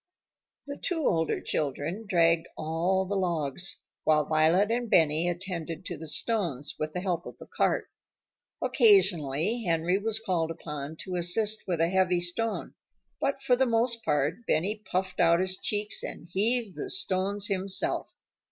The two older children dragged all the logs, while Violet and Benny attended to the stones, with the help of the cart. Occasionally Henry was called upon to assist with a heavy stone, but for the most part Benny puffed out his cheeks and heaved the stones himself.